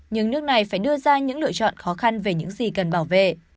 nhưng nước này phải đưa ra những lựa chọn khó khăn về những gì cần bảo vệ